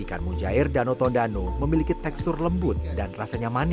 ikan mujair danau tondano memiliki tekstur lembut dan rasanya manis